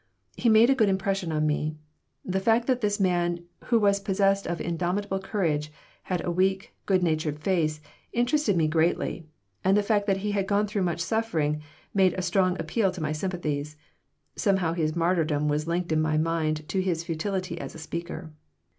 He made a good impression on me. The fact that this man, who was possessed of indomitable courage, had a weak, good natured face interested me greatly, and the fact that he had gone through much suffering made a strong appeal to my sympathies (somehow his martyrdom was linked in my mind to his futility as a speaker).